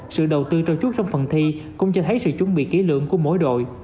sự đầu tư trao chút trong phần thi cũng cho thấy sự chuẩn bị kỹ lượng của mỗi đội